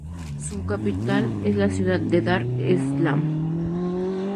Su ciudad capital es la ciudad de Dar es-Salam.